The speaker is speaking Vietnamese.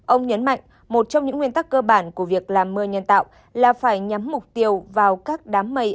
ông nhấn mạnh một trong những nguyên tắc cơ bản của việc làm mưa nhân tạo là phải nhắm mục tiêu vào các đám mây